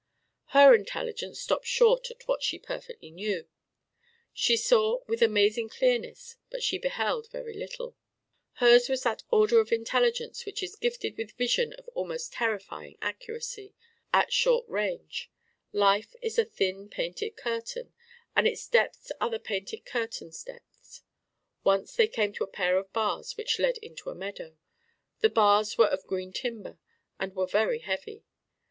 Her intelligence stopped short at what she perfectly knew. She saw with amazing clearness, but she beheld very little. Hers was that order of intelligence which is gifted with vision of almost terrifying accuracy at short range: life is a thin painted curtain, and its depths are the painted curtain's depths. Once they came to a pair of bars which led into a meadow. The bars were of green timber and were very heavy.